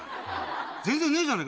全然ねえじゃねえか。